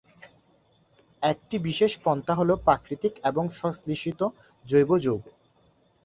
একটি বিশেষ পন্থা হল, প্রাকৃতিক এবং সংশ্লেষিত জৈব যৌগ।